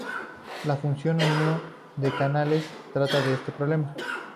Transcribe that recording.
La función unión de canales trata de este problema.